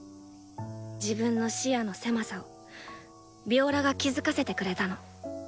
自分の視野の狭さをヴィオラが気付かせてくれたの。